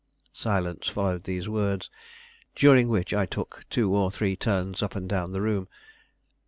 Silence followed these words, during which I took two or three turns up and down the room.